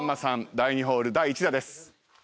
第２ホール第１打です。